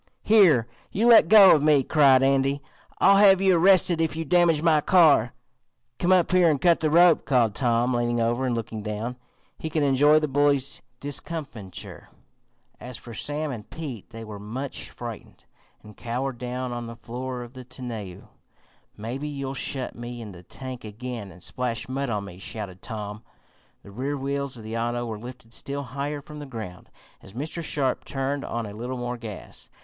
"Here! You let go of me!" cried Andy. "I'll have you arrested if you damage my car." "Come up here and cut the rope," called Tom leaning over and looking down. He could enjoy the bully's discomfiture. As for Sam and Pete, they were much frightened, and cowered down on the floor of the tonneau. "Maybe you'll shut me in the tank again and splash mud on me!" shouted Tom. The rear wheels of the auto were lifted still higher from the ground, as Mr. Sharp turned on a little more gas.